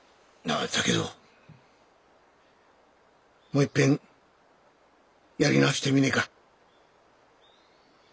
もういっぺんやり直してみねえか？